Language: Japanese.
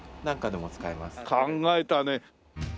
考えたね。